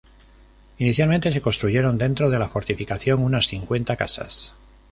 Inicialmente, se construyeron dentro de la fortificación unas cincuenta casas.